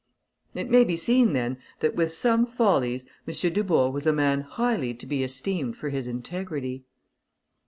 It may be seen then, that with some follies, M. Dubourg was a man highly to be esteemed for his integrity.